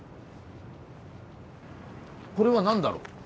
これは何だろう？